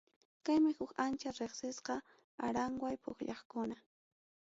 Kaymi huk ancha riqsisqa aranway pukllaqkuna.